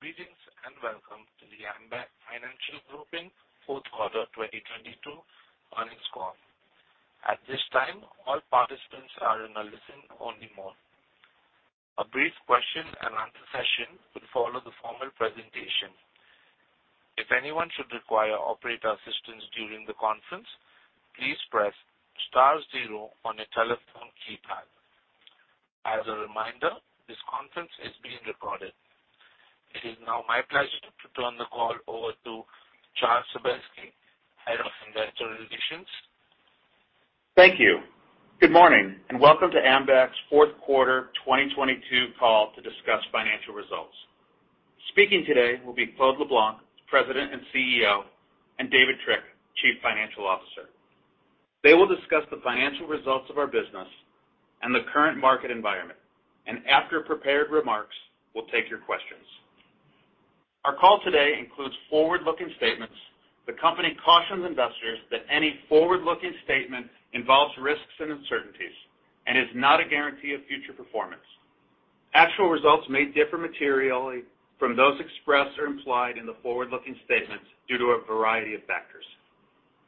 Greetings and welcome to the Ambac Financial Group in Q4 2022 earnings call. At this time, all participants are in a listen-only mode. A brief Q&A session will follow the formal presentation. If anyone should require operator assistance during the conference, please press star zero on your telephone keypad. As a reminder, this conference is being recorded. It is now my pleasure to turn the call over to Charles Sebaski, Head of Investor Relations. Thank you. Good morning, and welcome to Ambac's Q4 2022 call to discuss financial results. Speaking today will be Claude LeBlanc, President and CEO, and David Trick, Chief Financial Officer. They will discuss the financial results of our business and the current market environment. After prepared remarks, we'll take your questions. Our call today includes forward-looking statements. The company cautions investors that any forward-looking statement involves risks and uncertainties and is not a guarantee of future performance. Actual results may differ materially from those expressed or implied in the forward-looking statements due to a variety of factors.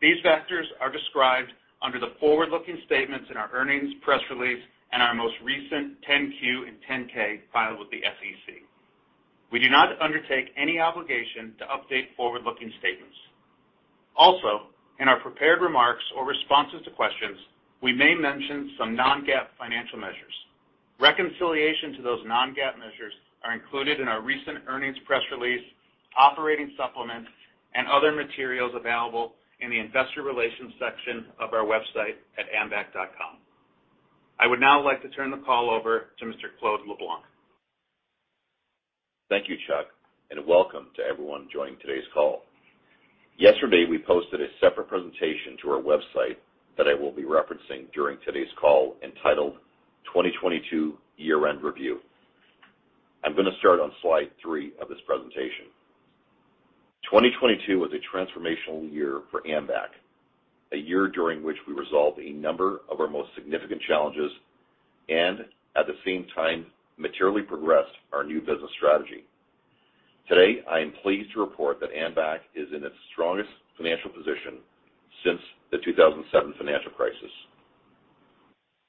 These factors are described under the forward-looking statements in our earnings press release and our most recent 10-Q and 10-K filed with the SEC. We do not undertake any obligation to update forward-looking statements. Also, in our prepared remarks or responses to questions, we may mention some non-GAAP financial measures. Reconciliation to those non-GAAP measures are included in our recent earnings press release, operating supplements, and other materials available in the investor relations section of our website at ambac.com. I would now like to turn the call over to Mr. Claude LeBlanc. Thank you, Charles. Welcome to everyone joining today's call. Yesterday, we posted a separate presentation to our website that I will be referencing during today's call, entitled 2022 Year-End Review. I'm gonna start on slide three of this presentation. 2022 was a transformational year for Ambac, a year during which we resolved a number of our most significant challenges and at the same time materially progressed our new business strategy. Today, I am pleased to report that Ambac is in its strongest financial position since the 2007 financial crisis.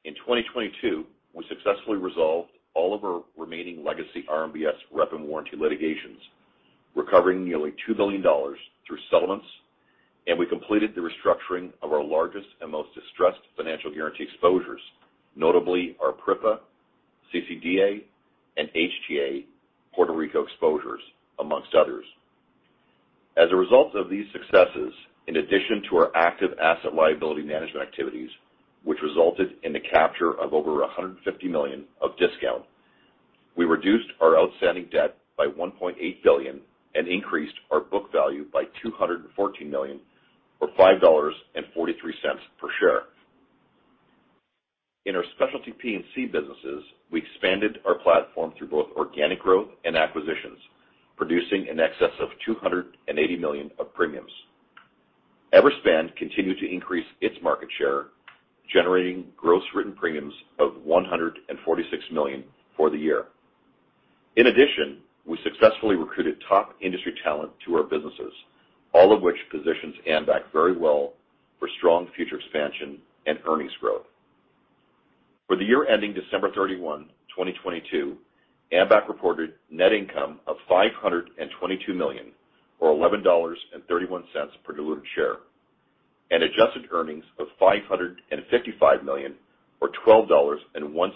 In 2022, we successfully resolved all of our remaining legacy RMBS rep and warranty litigations, recovering nearly $2 billion through settlements, and we completed the restructuring of our largest and most distressed financial guarantee exposures, notably our PRIFA, CCDA, and HTA Puerto Rico exposures, amongst others. A result of these successes, in addition to our active asset liability management activities, which resulted in the capture of over $150 million of discount, we reduced our outstanding debt by $1.8 billion and increased our book value by $214 million, or $5.43 per share. In our specialty P&C businesses, we expanded our platform through both organic growth and acquisitions, producing in excess of $280 million of premiums. Everspan continued to increase its market share, generating gross written premiums of $146 million for the year. In addition, we successfully recruited top industry talent to our businesses, all of which positions Ambac very well for strong future expansion and earnings growth. For the year ending December 31st, 2022, Ambac reported net income of $522 million, or $11.31 per diluted share, and adjusted earnings of $555 million, or $12.01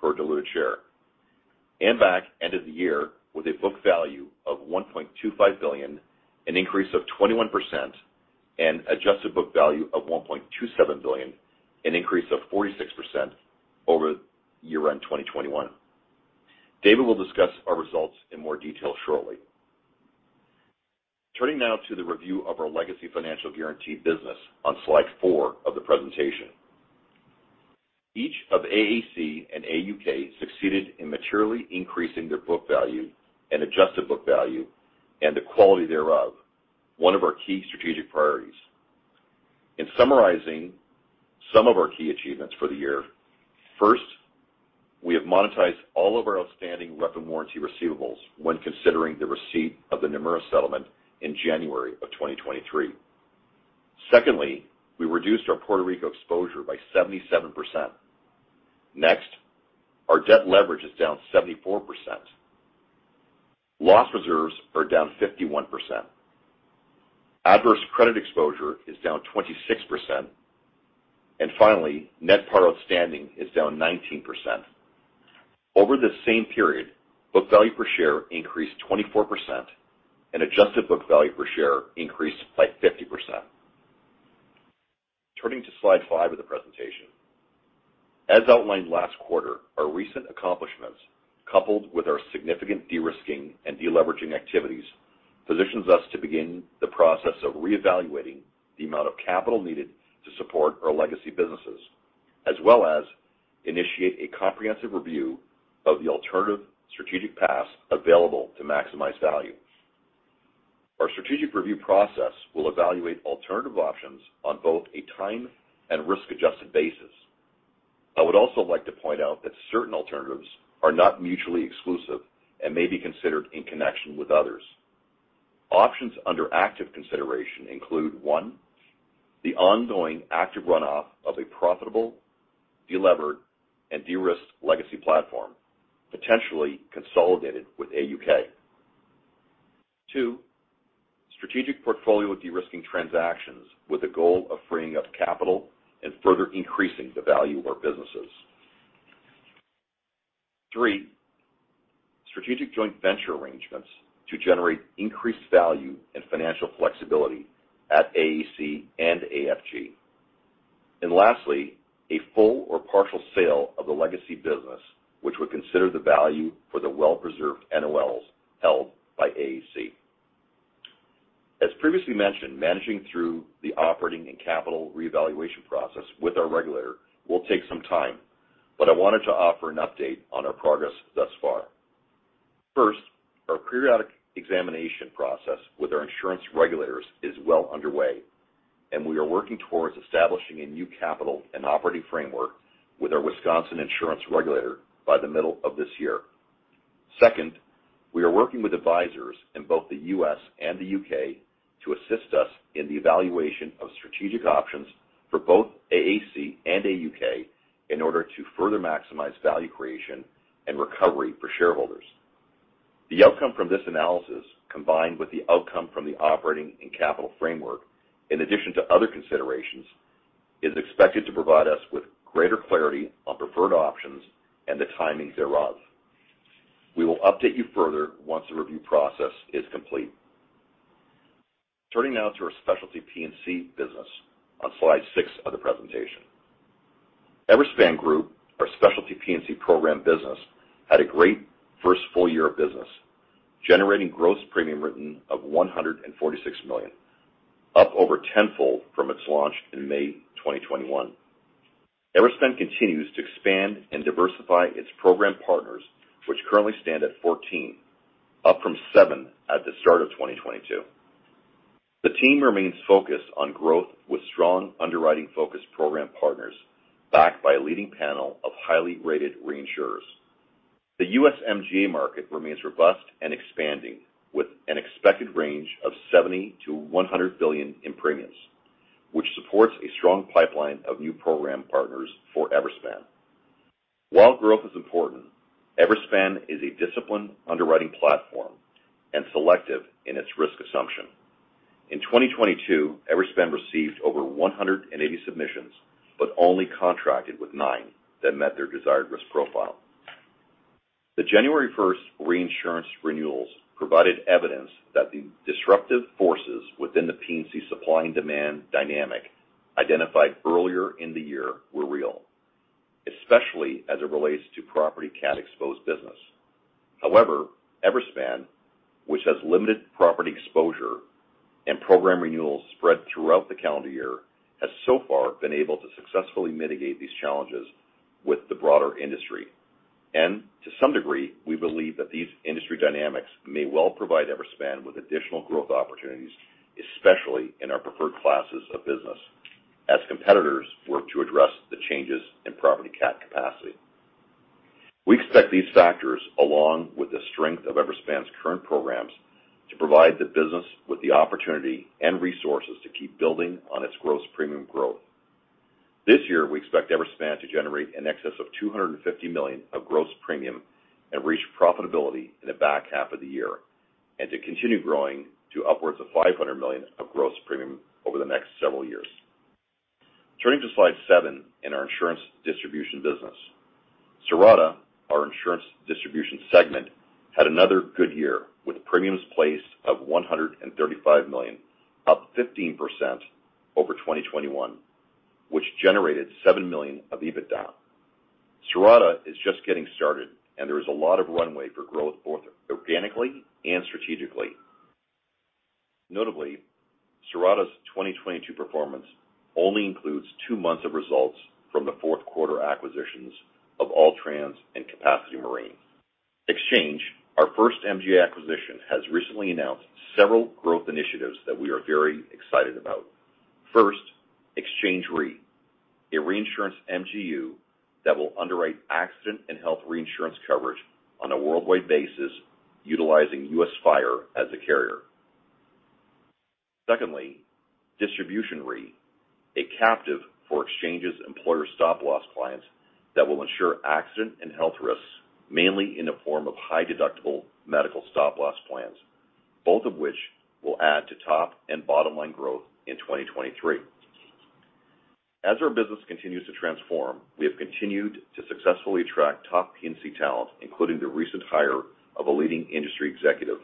per diluted share. Ambac ended the year with a book value of $1.25 billion, an increase of 21%, and adjusted book value of $1.27 billion, an increase of 46% over year-end 2021. David will discuss our results in more detail shortly. Turning now to the review of our legacy financial guarantee business on slide four of the presentation. Each of AAC and AUK succeeded in materially increasing their book value and adjusted book value and the quality thereof, one of our key strategic priorities. In summarizing some of our key achievements for the year, first, we have monetized all of our outstanding rep and warranty receivables when considering the receipt of the Nomura settlement in January of 2023. Secondly, we reduced our Puerto Rico exposure by 77%. Next, our debt leverage is down 74%. Loss reserves are down 51%. Adverse credit exposure is down 26%. Finally, net par outstanding is down 19%. Over the same period, book value per share increased 24% and adjusted book value per share increased by 50%. Turning to slide five of the presentation. As outlined last quarter, our recent accomplishments, coupled with our significant de-risking and de-leveraging activities, positions us to begin the process of reevaluating the amount of capital needed to support our legacy businesses, as well as initiate a comprehensive review of the alternative strategic paths available to maximize value. Strategic review process will evaluate alternative options on both a time and risk-adjusted basis. I would also like to point out that certain alternatives are not mutually exclusive and may be considered in connection with others. Options under active consideration include, one, the ongoing active runoff of a profitable, delevered, and de-risked legacy platform, potentially consolidated with AUK. Two, strategic portfolio de-risking transactions with the goal of freeing up capital and further increasing the value of our businesses. Three, strategic joint venture arrangements to generate increased value and financial flexibility at AAC and AFG. Lastly, a full or partial sale of the legacy business, which would consider the value for the well-preserved NOLs held by AAC. As previously mentioned, managing through the operating and capital reevaluation process with our regulator will take some time, but I wanted to offer an update on our progress thus far. First, our periodic examination process with our insurance regulators is well underway, and we are working towards establishing a new capital and operating framework with our Wisconsin insurance regulator by the middle of this year. Second, we are working with advisors in both the U.S. and the U.K. to assist us in the evaluation of strategic options for both AAC and AUK in order to further maximize value creation and recovery for shareholders. The outcome from this analysis, combined with the outcome from the operating and capital framework, in addition to other considerations, is expected to provide us with greater clarity on preferred options and the timing thereof. We will update you further once the review process is complete. Turning now to our specialty P&C business on slide six of the presentation. Everspan Group, our specialty P&C program business, had a great first full year of business, generating gross premium written of $146 million, up over tenfold from its launch in May 2021. Everspan continues to expand and diversify its program partners, which currently stand at 14, up from seven at the start of 2022. The team remains focused on growth with strong underwriting focus program partners backed by a leading panel of highly rated reinsurers. The U.S. MGA market remains robust and expanding with an expected range of $70 billion to 100 billion in premiums, which supports a strong pipeline of new program partners for Everspan. While growth is important, Everspan is a disciplined underwriting platform and selective in its risk assumption. In 2022, Everspan received over 180 submissions, but only contracted with nine that met their desired risk profile. The January 1st reinsurance renewals provided evidence that the disruptive forces within the P&C supply and demand dynamic identified earlier in the year were real, especially as it relates to property cat exposed business. Everspan, which has limited property exposure and program renewals spread throughout the calendar year, has so far been able to successfully mitigate these challenges with the broader industry. To some degree, we believe that these industry dynamics may well provide Everspan with additional growth opportunities, especially in our preferred classes of business, as competitors work to address the changes in property cat capacity. We expect these factors, along with the strength of Everspan's current programs, to provide the business with the opportunity and resources to keep building on its gross premium growth. This year, we expect Everspan to generate in excess of $250 million of gross premium and reach profitability in the back half of the year, and to continue growing to upwards of $500 million of gross premium over the next several years. Turning to slide seven in our insurance distribution business. Cirrata, our insurance distribution segment, had another good year with premiums placed of $135 million, up 15% over 2021, which generated $7 million of EBITDA. Cirrata is just getting started, and there is a lot of runway for growth both organically and strategically. Notably, Cirrata's 2022 performance only includes two months of results from the Q4 acquisitions of All Trans and Capacity Marine. Xchange, our first MGA acquisition, has recently announced several growth initiatives that we are very excited about. First, Xchange Re, a reinsurance MGU that will underwrite accident and health reinsurance coverage on a worldwide basis utilizing U.S. Fire as a carrier. Secondly, Distribution Re, a captive for Xchange's employer stop loss clients that will ensure accident and health risks, mainly in the form of high-deductible medical stop loss plans, both of which will add to top and bottom line growth in 2023. As our business continues to transform, we have continued to successfully attract top P&C talent, including the recent hire of a leading industry executive,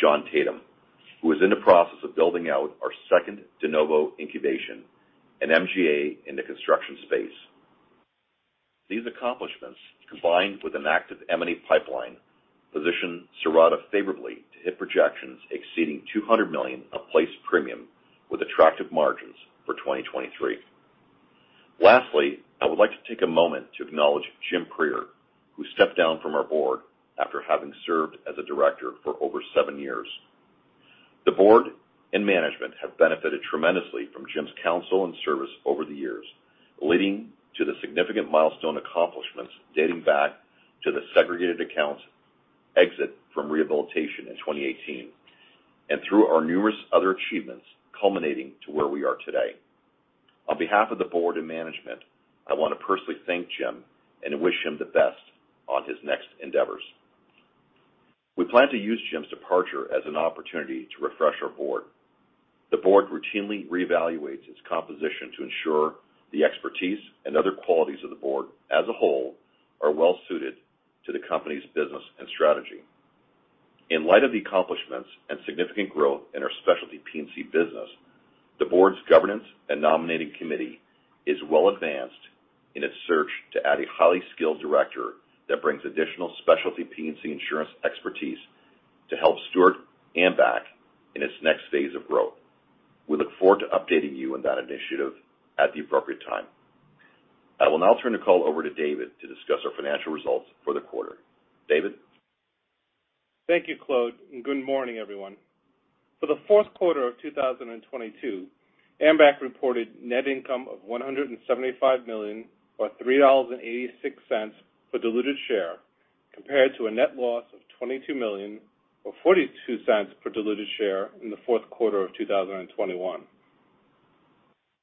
John Tatum, who is in the process of building out our second de novo incubation, an MGA in the construction space. These accomplishments, combined with an active M&A pipeline, position Cirrata favorably to hit projections exceeding $200 million of placed premium with attractive margins for 2023. Lastly, I would like to take a moment to acknowledge Jim Prier, who stepped down from our board after having served as a director for over seven years. The board and management have benefited tremendously from Jim's counsel and service over the years, leading to the significant milestone accomplishments dating back to the Segregated Account exit from rehabilitation in 2018, and through our numerous other achievements culminating to where we are today. On behalf of the board and management, I want to personally thank Jim and wish him the best on his next endeavors. We plan to use Jim's departure as an opportunity to refresh our board. The board routinely reevaluates its composition to ensure the expertise and other qualities of the board as a whole are well-suited to the company's business and strategy. In light of the accomplishments and significant growth in our specialty P&C business, the board's governance and nominating committee is well advanced in its search to add a highly skilled director that brings additional specialty P&C insurance expertise to help steward Ambac in its next phase of growth. We look forward to updating you on that initiative at the appropriate time. I will now turn the call over to David to discuss our financial results for the quarter. David? Thank you, Claude. Good morning, everyone. For the Q4 of 2022, Ambac reported net income of $175 million, or $3.86 per diluted share, compared to a net loss of $22 million, or $0.42 per diluted share in the Q4 of 2021.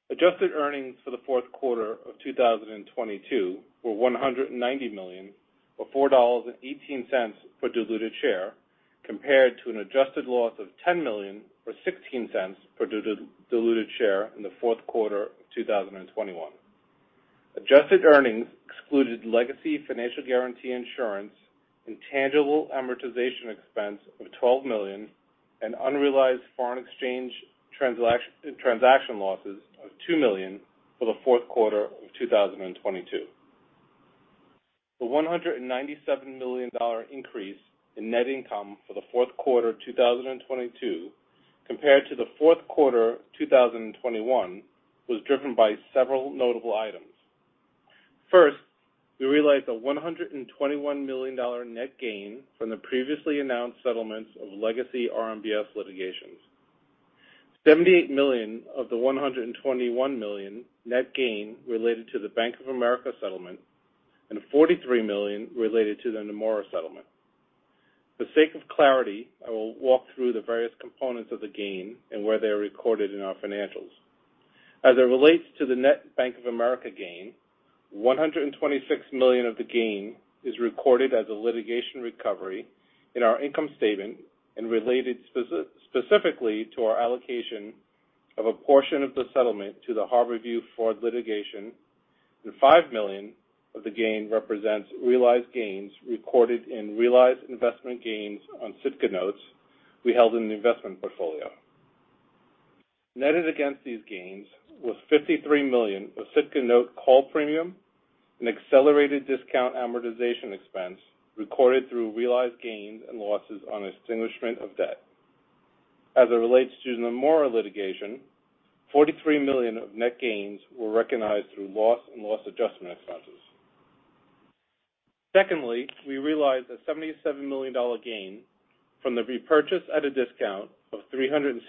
Adjusted earnings for the Q4 of 2022 were $190 million, or $4.18 per diluted share, compared to an adjusted loss of $10 million or $0.16 per diluted share in the Q4 of 2021. Adjusted earnings excluded legacy financial guarantee insurance, intangible amortization expense of $12 million, and unrealized foreign exchange transaction losses of $2 million for the Q4 of 2022. The $197 million increase in net income for the Q4 2022 compared to the Q4 of 2021 was driven by several notable items. First, we realized a $121 million net gain from the previously announced settlements of legacy RMBS litigations. $78 million of the $121 million net gain related to the Bank of America settlement and $43 million related to the Nomura settlement. For the sake of clarity, I will walk through the various components of the gain and where they are recorded in our financials. As it relates to the net Bank of America gain, $126 million of the gain is recorded as a litigation recovery in our income statement and related specifically to our allocation of a portion of the settlement to the HarborView Four litigation, and $5 million of the gain represents realized gains recorded in realized investment gains on Sitka Notes we held in the investment portfolio. Netted against these gains was $53 million of Sitka Note call premium and accelerated discount amortization expense recorded through realized gains and losses on extinguishment of debt. As it relates to the Nomura litigation, $43 million of net gains were recognized through loss and loss adjustment expenses. Secondly, we realized a $77 million gain from the repurchase at a discount of $364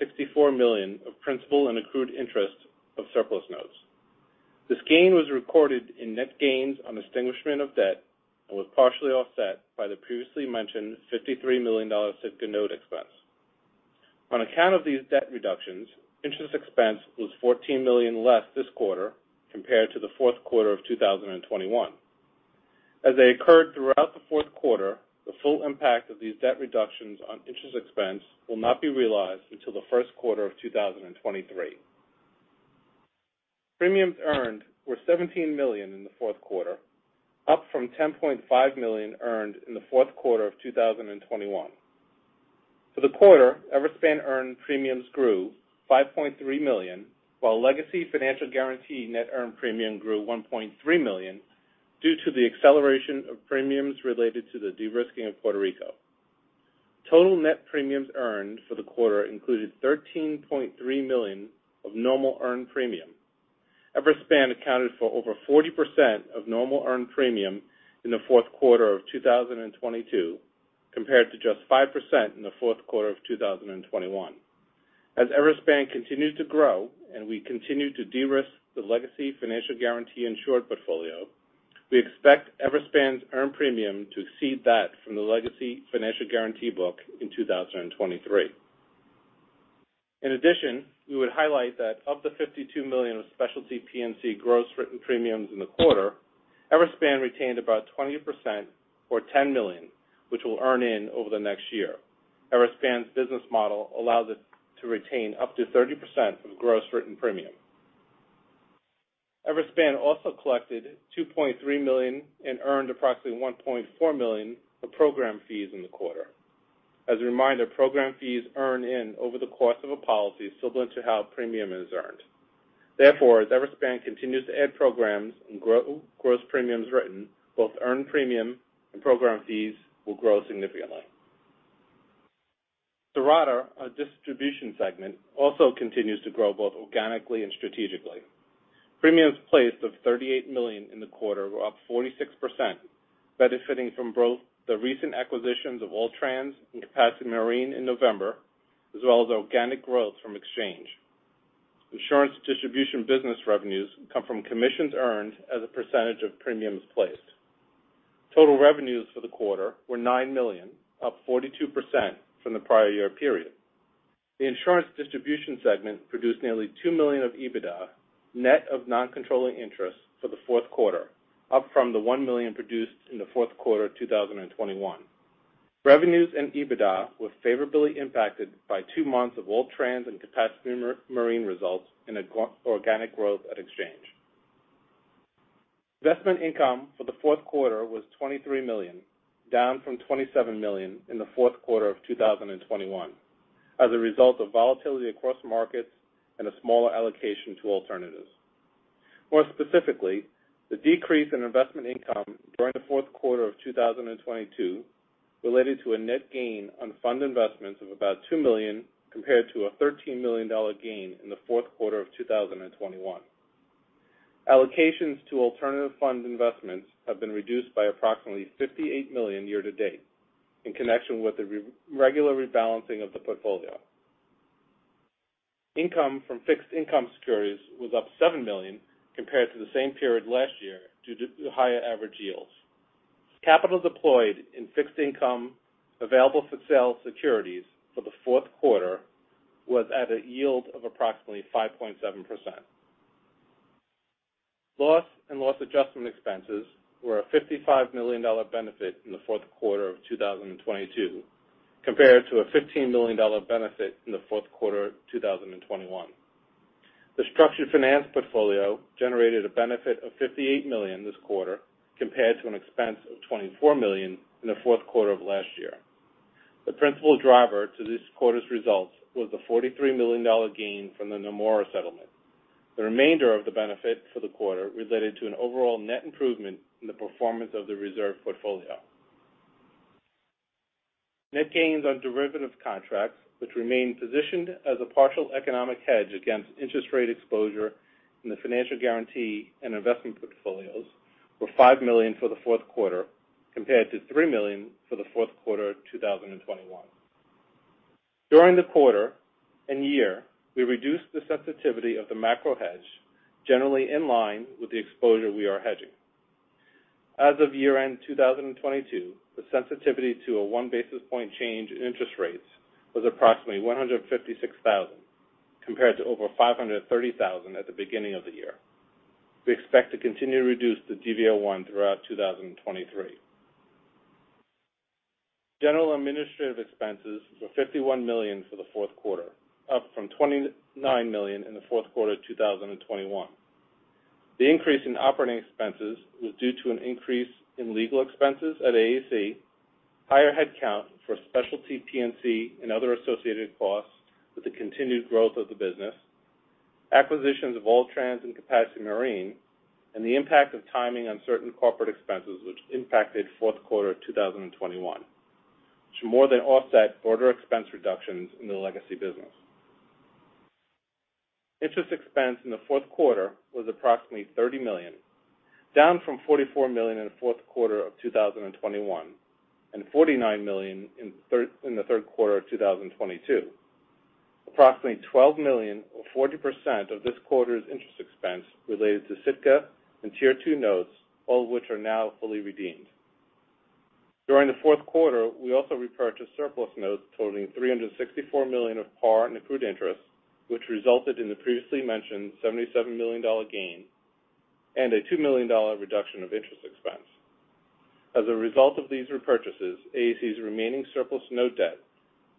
million of principal and accrued interest of surplus notes. This gain was recorded in net gains on extinguishment of debt and was partially offset by the previously mentioned $53 million Sitka Note expense. On account of these debt reductions, interest expense was $14 million less this quarter compared to the Q4 of 2021. As they occurred throughout the Q4, the full impact of these debt reductions on interest expense will not be realized until the Q1 of 2023. Premiums earned were $17 million in the Q4, up from $10.5 million earned in the Q4 of 2021. For the quarter, Everspan earned premiums grew $5.3 million, while legacy financial guarantee net earned premium grew $1.3 million due to the acceleration of premiums related to the de-risking of Puerto Rico. Total net premiums earned for the quarter included $13.3 million of normal earned premium. Everspan accounted for over 40% of normal earned premium in the Q4 of 2022, compared to just 5% in the Q4 of 2021. As Everspan continues to grow and we continue to de-risk the legacy financial guarantee insured portfolio, we expect Everspan's earned premium to exceed that from the legacy financial guarantee book in 2023. In addition, we would highlight that of the $52 million of specialty P&C gross written premiums in the quarter, Everspan retained about 20% or $10 million, which we'll earn in over the next year. Everspan's business model allows us to retain up to 30% of gross written premium. Everspan also collected $2.3 million and earned approximately $1.4 million of program fees in the quarter. As a reminder, program fees earn in over the course of a policy similar to how premium is earned. Therefore, as Everspan continues to add programs and grow gross premiums written, both earned premium and program fees will grow significantly. Cirrata, our distribution segment, also continues to grow both organically and strategically. Premiums placed of $38 million in the quarter were up 46%, benefiting from both the recent acquisitions of All Trans and Capacity Marine in November, as well as organic growth from Xchange. Insurance distribution business revenues come from commissions earned as a percentage of premiums placed. Total revenues for the quarter were $9 million, up 42% from the prior year period. The insurance distribution segment produced nearly $2 million of EBITDA, net of non-controlling interest for the Q4, up from the $1 million produced in the Q4 2021. Revenues and EBITDA were favorably impacted by two months of All Trans and Capacity Marine results in organic growth at Xchange. Investment income for the Q4 was $23 million, down from $27 million in the Q4 of 2021 as a result of volatility across markets and a smaller allocation to alternatives. More specifically, the decrease in investment income during the Q4 of 2022 related to a net gain on fund investments of about $2 million, compared to a $13 million gain in the Q4 of 2021. Allocations to alternative fund investments have been reduced by approximately $58 million year-to-date in connection with the regular rebalancing of the portfolio. Income from fixed income securities was up $7 million compared to the same period last year due to higher average yields. Capital deployed in fixed income available for sale securities for the Q4 was at a yield of approximately 5.7%. Loss and loss adjustment expenses were a $55 million benefit in the Q4 of 2022, compared to a $15 million benefit in the Q4 of 2021. The structured finance portfolio generated a benefit of $58 million this quarter, compared to an expense of $24 million in the Q4 of last year. The principal driver to this quarter's results was the $43 million gain from the Nomura settlement. The remainder of the benefit for the quarter related to an overall net improvement in the performance of the reserve portfolio. Net gains on derivatives contracts, which remain positioned as a partial economic hedge against interest rate exposure in the financial guarantee and investment portfolios, were $5 million for the Q4, compared to $3 million for the Q4 of 2021. During the quarter and year, we reduced the sensitivity of the macrohedge, generally in line with the exposure we are hedging. As of year-end 2022, the sensitivity to a 1 basis point change in interest rates was approximately $156,000, compared to over $530,000 at the beginning of the year. We expect to continue to reduce the DV01 throughout 2023. General administrative expenses were $51 million for the Q4, up from $29 million in the Q4 of 2021. The increase in operating expenses was due to an increase in legal expenses at AAC, higher headcount for specialty P&C and other associated costs with the continued growth of the business, acquisitions of All Trans and Capacity Marine, and the impact of timing on certain corporate expenses which impacted Q4 2021, which more than offset quarter expense reductions in the legacy business. Interest expense in the Q4 was approximately $30 million, down from $44 million in the Q4 of 2021, and $49 million in the Q3 of 2022. Approximately $12 million or 40% of this quarter's interest expense related to Sitka and Tier 2 Notes, all of which are now fully redeemed. During the Q4, we also repurchased surplus notes totaling $364 million of par in accrued interest, which resulted in the previously mentioned $77 million gain and a $2 million reduction of interest expense. As a result of these repurchases, AAC's remaining surplus note debt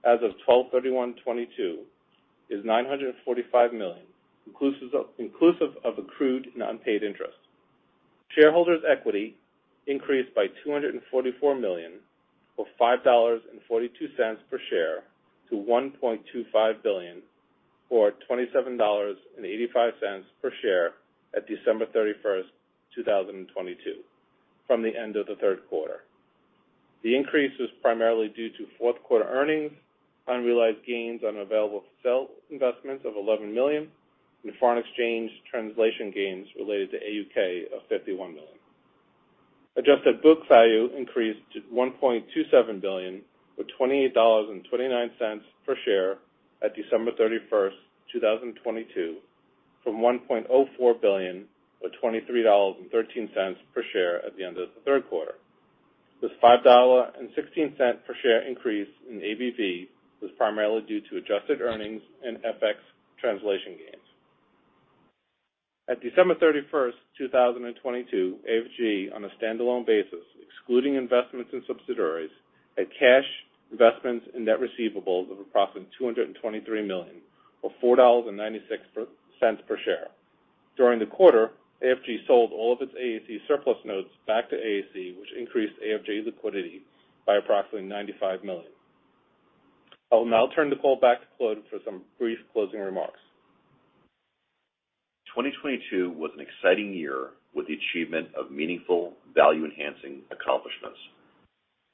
as of 12/31/2022 is $945 million, inclusive of accrued and unpaid interest. Shareholders' equity increased by $244 million, or $5.42 per share, to $1.25 billion, or $27.85 per share at December 31st, 2022, from the end of the Q3. The increase was primarily due to Q4 earnings, unrealized gains on available for sale investments of $11 million, and foreign exchange translation gains related to AUK of $51 million. Adjusted book value increased to $1.27 billion, or $28.29 per share at December 31st, 2022, from $1.04 billion, or $23.13 per share at the end of the Q3. This $5.16 per share increase in ABV was primarily due to adjusted earnings and FX translation gains. At December 31st, 2022, AFG, on a standalone basis, excluding investments in subsidiaries, had cash, investments and net receivables of approximately $223 million, or $4.96 per share. During the quarter, AFG sold all of its AAC surplus notes back to AAC, which increased AFG's liquidity by approximately $95 million. I will now turn the call back to Claude for some brief closing remarks. 2022 was an exciting year with the achievement of meaningful value-enhancing accomplishments.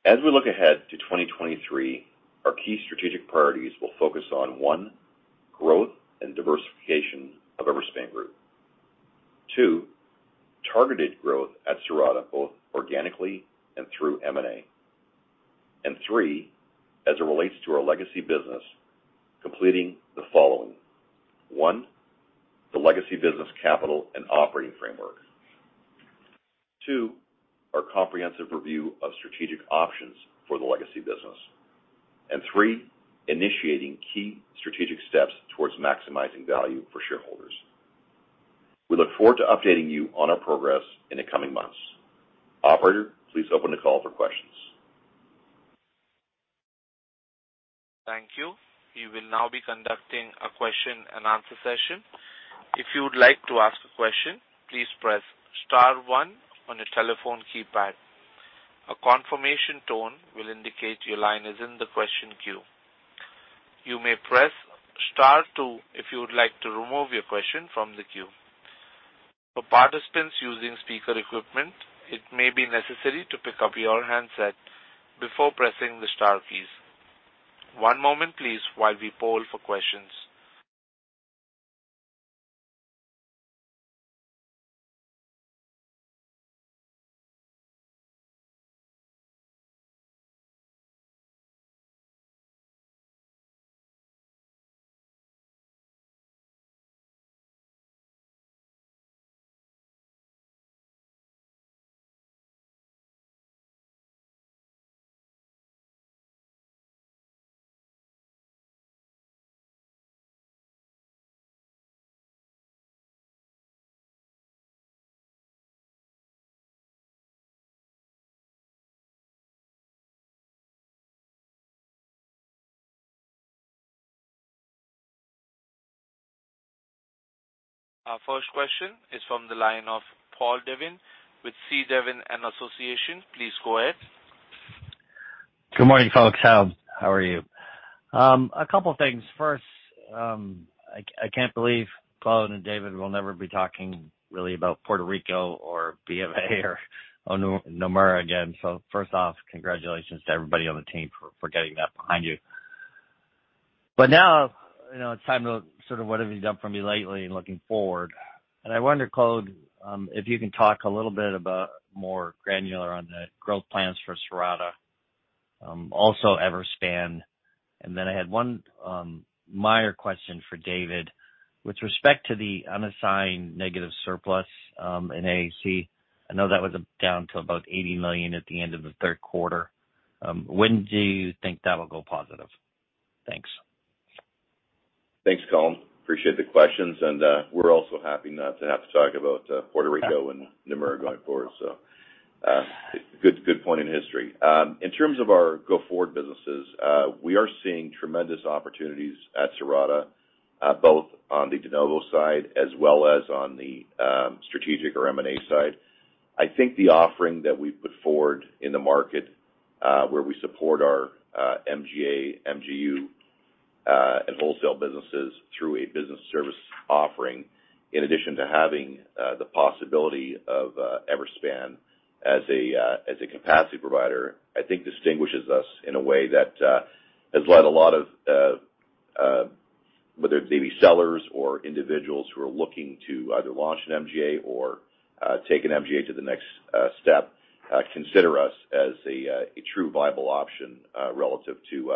As we look ahead to 2023, our key strategic priorities will focus on, one, growth and diversification of Everspan Group. Two, targeted growth at Cirrata, both organically and through M&A. 3, as it relates to our legacy business, completing the following. One, the legacy business capital and operating framework. Two, our comprehensive review of strategic options for the legacy business. And three, initiating key strategic steps towards maximizing value for shareholders. We look forward to updating you on our progress in the coming months. Operator, please open the call for questions. Thank you. We will now be conducting a Q&A session. If you would like to ask a question, please press star one on your telephone keypad. A confirmation tone will indicate your line is in the question queue. You may press star two if you would like to remove your question from the queue. For participants using speaker equipment, it may be necessary to pick up your handset before pressing the star keys. One moment please while we poll for questions. Our first question is from the line of Paul Devin with C. Devin and Association. Please go ahead. Good morning, folks. How are you? A couple of things. First, I can't believe Claude and David will never be talking really about Puerto Rico or BMA or Nomura again. First off, congratulations to everybody on the team for getting that behind you. Now, you know, it's time to sort of what have you done for me lately and looking forward. I wonder, Claude, if you can talk a little bit about more granular on the growth plans for Cirrata, also Everspan. Then I had one minor question for David. With respect to the unassigned negative surplus in AAC, I know that was down to about $80 million at the end of the Q3. When do you think that will go positive? Thanks. Thanks, Paul. Appreciate the questions. We're also happy not to have to talk about Puerto Rico and Nomura going forward. Good point in history. In terms of our go-forward businesses, we are seeing tremendous opportunities at Cirrata, both on the de novo side as well as on the strategic or M&A side. I think the offering that we put forward in the market, where we support our MGA, MGU, and wholesale businesses through a business service offering, in addition to having the possibility of Everspan as a capacity provider, I think distinguishes us in a way that has led a lot of whether it be sellers or individuals who are looking to either launch an MGA or take an MGA to the next step, consider us as a true viable option relative to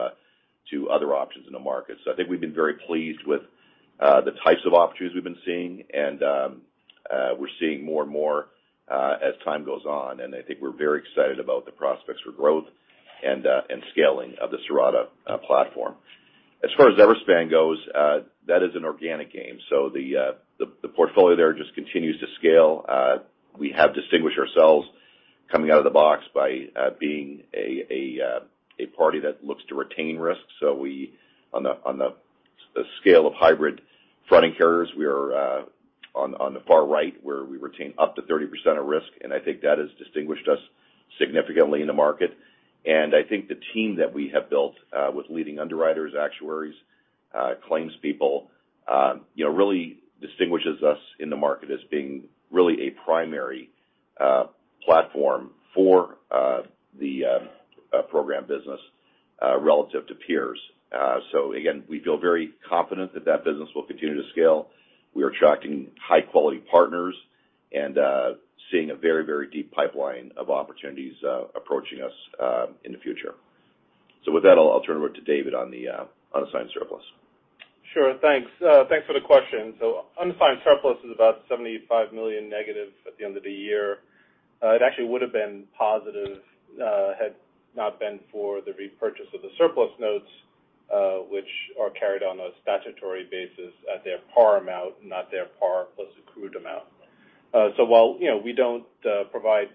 other options in the market. I think we've been very pleased with the types of opportunities we've been seeing, and, we're seeing more and more as time goes on. I think we're very excited about the prospects for growth and scaling of the Cirrata platform. As far as Everspan goes, that is an organic game. The portfolio there just continues to scale. We have distinguished ourselves coming out of the box by being a party that looks to retaining risk. We on the scale of hybrid fronting carriers, we are on the far right where we retain up to 30% of risk. I think that has distinguished us significantly in the market. I think the team that we have built with leading underwriters, actuaries, claims people, you know, really distinguishes us in the market as being really a primary platform for the program business relative to peers. Again, we feel very confident that that business will continue to scale. We are attracting high-quality partners and seeing a very deep pipeline of opportunities approaching us in the future. With that, I'll turn it over to David on the assigned surplus. Sure. Thanks. Thanks for the question. Unassigned surplus is about $75 million negative at the end of the year. It actually would have been positive, had not been for the repurchase of the surplus notes, which are carried on a statutory basis at their par amount, not their par plus accrued amount. While, you know, we don't provide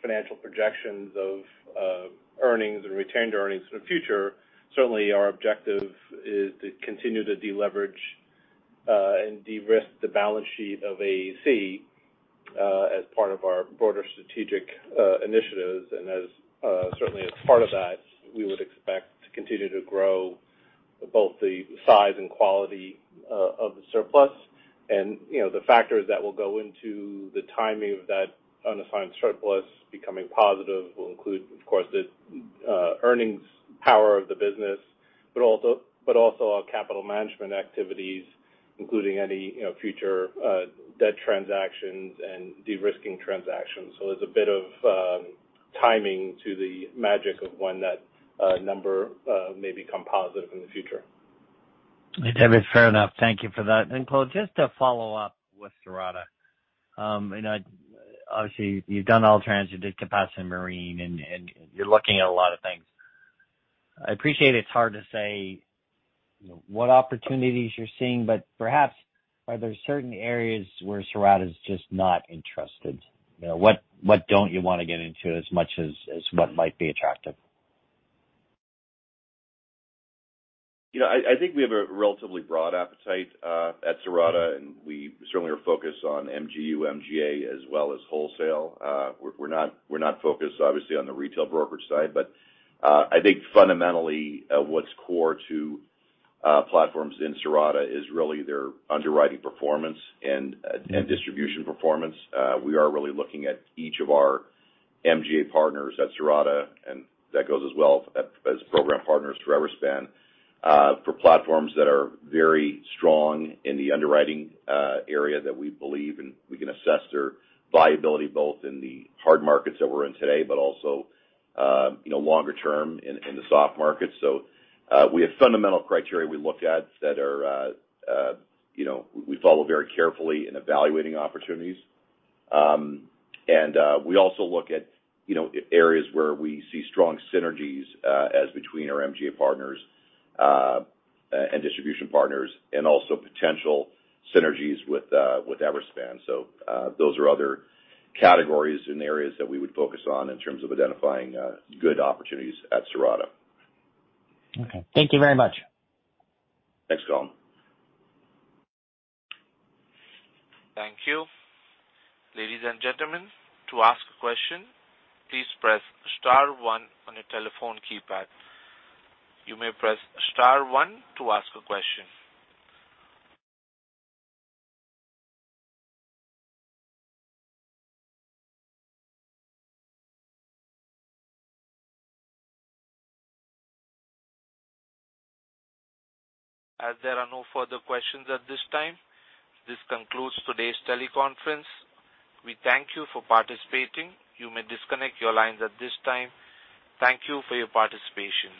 financial projections of earnings and retained earnings in the future, certainly our objective is to continue to deleverage and de-risk the balance sheet of AAC. As part of our broader strategic initiatives, and as certainly as part of that, we would expect to continue to grow both the size and quality of the surplus. You know, the factors that will go into the timing of that unassigned surplus becoming positive will include, of course, the earnings power of the business, but also our capital management activities, including any, you know, future debt transactions and de-risking transactions. There's a bit of timing to the magic of when that number may become positive in the future. David, fair enough. Thank you for that. Claude, just to follow up with Cirrata. You know, obviously, you've done All Trans to Capacity Marine and you're looking at a lot of things. I appreciate it's hard to say what opportunities you're seeing, but perhaps are there certain areas where Cirrata is just not interested? You know, what don't you wanna get into as much as what might be attractive? You know, I think we have a relatively broad appetite at Cirrata, and we certainly are focused on MGU, MGA, as well as wholesale. We're not focused, obviously, on the retail brokerage side. I think fundamentally, what's core to platforms in Cirrata is really their underwriting performance and distribution performance. We are really looking at each of our MGA partners at Cirrata, and that goes as well as program partners for Everspan, for platforms that are very strong in the underwriting area that we believe and we can assess their viability, both in the hard markets that we're in today, but also, you know, longer term in the soft markets. We have fundamental criteria we look at that are, you know, we follow very carefully in evaluating opportunities. We also look at, you know, areas where we see strong synergies, as between our MGA partners, and distribution partners, and also potential synergies with Everspan. Those are other categories and areas that we would focus on in terms of identifying, good opportunities at Cirrata. Okay. Thank you very much. Thanks, Colin. Thank you. Ladies and gentlemen, to ask a question, please press star one on your telephone keypad. You may press star one to ask a question. As there are no further questions at this time, this concludes today's Teleconference. We thank you for participating. You may disconnect your lines at this time. Thank you for your participation.